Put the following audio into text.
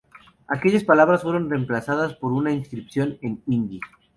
Aquellas palabras fueron reemplazadas por una inscripción en hindi.